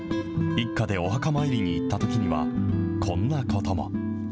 一家でお墓参りに行ったときには、こんなことも。